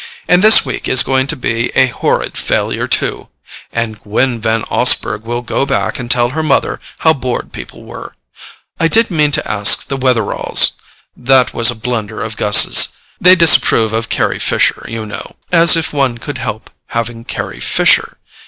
And this week is going to be a horrid failure too—and Gwen Van Osburgh will go back and tell her mother how bored people were. I did mean to ask the Wetheralls—that was a blunder of Gus's. They disapprove of Carry Fisher, you know. As if one could help having Carry Fisher!